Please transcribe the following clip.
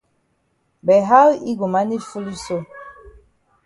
But how yi go manage foolish so?